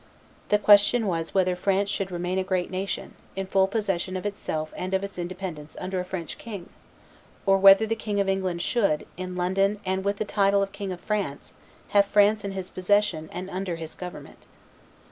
The question was whether France should remain a great nation, in full possession of itself and of its independence under a French king, or whether the King of England should, in London and with the title of King of France, have France in his possession and under his government.